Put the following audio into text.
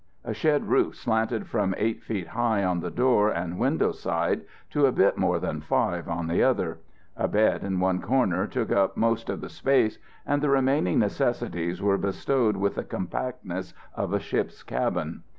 A shed roof slanted from eight feet high on the door and window side to a bit more than five on the other. A bed in one corner took up most of the space, and the remaining necessities were bestowed with the compactness of a ship's cabin.